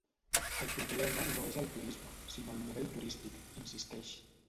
El problema no és el turisme sinó el model turístic, insisteix.